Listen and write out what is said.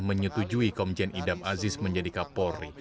menyetujui komjen idam aziz menjadi kapolri